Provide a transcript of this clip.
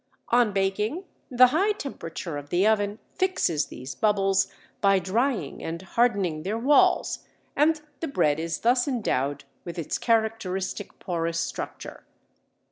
On baking, the high temperature of the oven fixes these bubbles by drying and hardening their walls, and the bread is thus endowed with its characteristic porous structure.